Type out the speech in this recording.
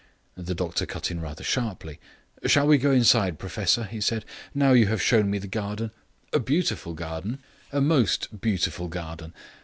The doctor cut in rather sharply. "Shall we go inside, professor?" he said. "Now you have shown me the garden. A beautiful garden. A most beautiful garden.